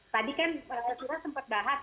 tadi kan prak asyura sempat bahas